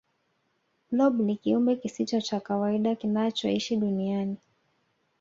blob ni kiumbe kisicho cha kawaida kinachoishi duniani